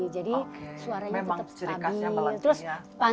jadi suaranya tetap stabil